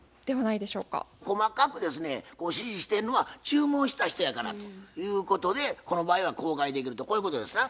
細かくですね指示してるのは注文した人やからということでこの場合は公開できるとこういうことですな？